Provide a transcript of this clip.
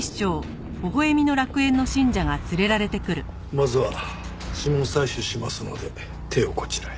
まずは指紋採取しますので手をこちらへ。